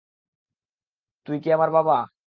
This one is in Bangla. তুই কি আমার বাবা?